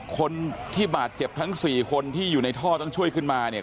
คนที่บาดเจ็บทั้งสี่คนที่อยู่ในท่อต้องช่วยขึ้นมาเนี่ย